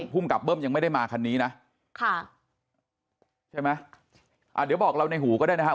ภูมิกับเบิ้มยังไม่ได้มาคันนี้นะค่ะใช่ไหมอ่าเดี๋ยวบอกเราในหูก็ได้นะฮะ